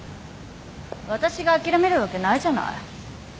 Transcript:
私が諦めるわけないじゃない。